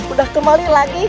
udah kemali lagi